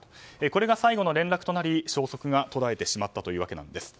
これが最後の連絡となり消息が途絶えてしまったということです。